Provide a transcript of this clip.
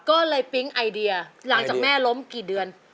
ก็เลยปิ๊งไอเดียหลังจากแม่ล้มกี่เดือน